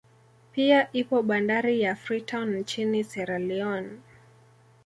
Pia ipo bandari ya Free town nchini Siera Lione